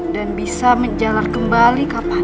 dan bisa menjalan kembali kapanpun